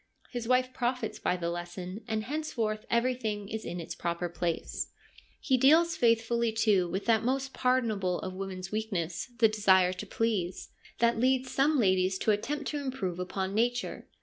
His wife profits by the lesson, and henceforth everything is in its proper place. He deals faithfully, too, with that most pardonable of woman's weaknesses, the desire to please, that 148 FEMINISM IN GREEK LITERATURE leads some ladies to attempt to improve upon nature.